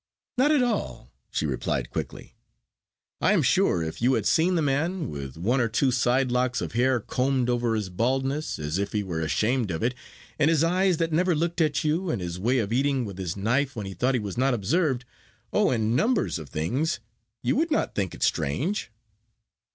"Not at all," she replied, quickly; "I am sure, if you had seen the man, with one or two side locks of hair combed over his baldness, as if he were ashamed of it, and his eyes that never looked at you, and his way of eating with his knife when he thought he was not observed oh, and numbers of things! you would not think it strange."